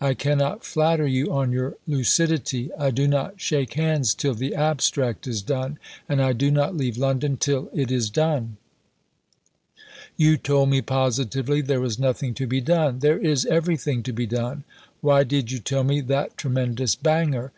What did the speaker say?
"I cannot flatter you on your lucidity." "I do not shake hands till the Abstract is done; and I do not leave London till it is done." "You told me positively there was nothing to be done. There is everything to be done." "Why did you tell me that tremendous banger?